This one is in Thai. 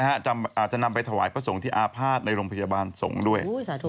อาจจะนำไปถวายพระสงฆ์ที่อาภาษณ์ในโรงพยาบาลสงฆ์ด้วย